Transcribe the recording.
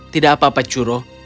tidak apa apa churro